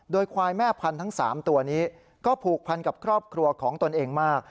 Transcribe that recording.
โดยควายแม่พันธุ์ทั้ง๓ตัวนี้ก็ผูกพันกับครอบครัวของตนเองมาก